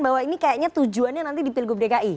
bahwa ini kayaknya tujuannya nanti dipilgup dki